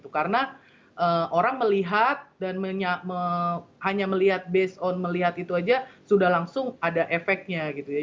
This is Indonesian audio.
karena orang melihat dan hanya melihat base on melihat itu saja sudah langsung ada efeknya gitu ya